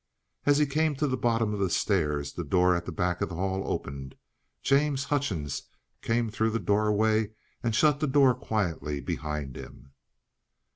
As he came to the bottom of the stairs the door at the back of the hall opened; James Hutchings came through the doorway and shut the door quietly behind him.